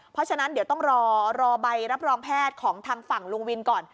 เพราะฉะนั้นเดี๋ยวต้องรอใบรับรองแพทย์ของทางฝั่งลุงวินก่อน